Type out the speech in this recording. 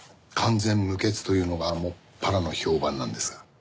完全無欠というのが専らの評判なんですが。